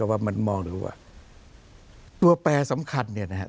ว่ามันมองดูว่าตัวแปรสำคัญเนี่ยนะครับ